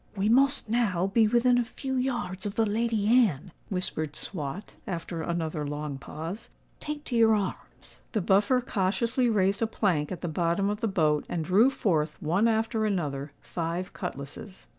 "We must now be within a few yards of the Lady Anne," whispered Swot, after another long pause: "take to your arms." The Buffer cautiously raised a plank at the bottom of the boat, and drew forth, one after another, five cutlasses.